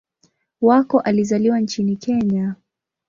Wako alizaliwa nchini Kenya.